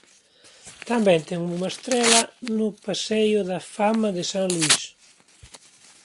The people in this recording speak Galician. Tamén ten unha estrela no Paseo da Fama de St. Louis.